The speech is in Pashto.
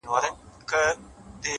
• ښاخ پر ښاخ پورته کېدى د هسک و لورته,